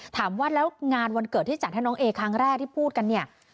ถามว่าแล้วงานวันเกิดที่จัดให้น้องเอครั้งแรกที่พูดกันเนี่ย